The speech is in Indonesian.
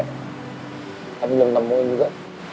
tapi belum temuin juga